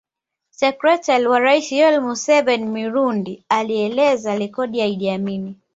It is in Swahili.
Sekretari wa rais Yoweri Museveni Mirundi alielezea rekodi ya Idi Amin